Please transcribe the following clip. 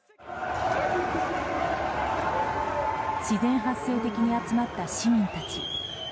自然発生的に集まった市民たち。